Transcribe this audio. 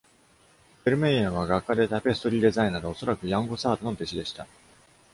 フェルメイエンは画家でタペストリーデザイナーで、おそらくヤンゴサールの弟子でした。